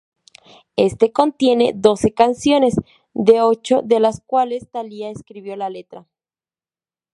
Este contiene doce canciones, de ocho de las cuales Thalía escribió la letra.